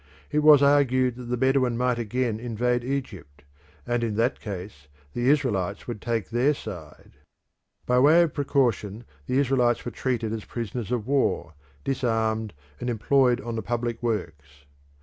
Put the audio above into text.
It was argued that the Bedouins might again invade Egypt, and in that case the Israelites would take their side. By way of precaution the Israelites were treated as prisoners of war, disarmed, and employed on the public works.